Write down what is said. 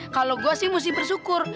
kalau gue sih mesti bersyukur